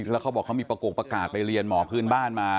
แล้วเขาบอกเขามีประกงประกาศไปเรียนหมอพื้นบ้านมา